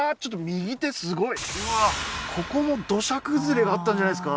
うわっここも土砂崩れがあったんじゃないですか？